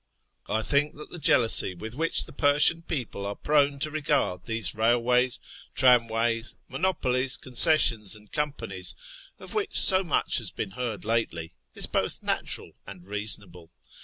I think that the jealousy with which the Persian people are prone to regard these railways, tramways, monopolies, concessions, and companies, of which so much has been heard lately, is both natural and reasonable.